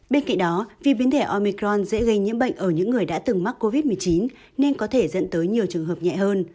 bên cạnh đó vì biến thể omicron dễ gây nhiễm bệnh ở những người đã từng mắc covid một mươi chín nên có thể dẫn tới nhiều trường hợp nhẹ hơn